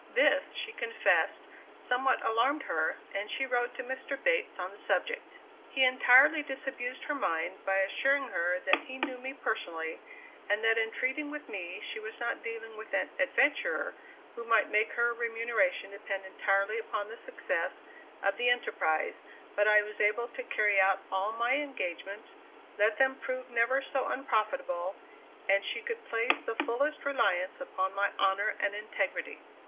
This, she confessed, somewhat alarmed her, and she wrote to Mr. Bates on the subject. He entirely disabused her mind, by assuring her that he knew me personally, and that in treating with me she was not dealing with an "adventurer" who might make her remuneration depend entirely upon the success of the enterprise, but I was able to carry out all my engagements, let them prove never so unprofitable, and she could place the fullest reliance upon my honor and integrity.